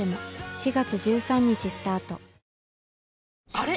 あれ？